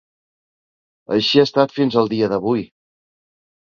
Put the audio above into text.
Així ha estat fins al dia d'avui.